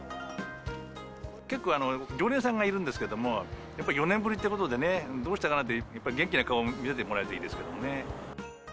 結構、常連さんがいるんですけれども、やっぱり４年ぶりってことでね、どうしたかなって、やっぱり元気な顔見せてもらえるといいですけどね。